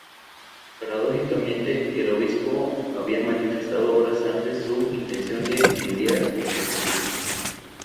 Paradójicamente, el obispo había manifestado horas antes su intención de mediar en el conflicto.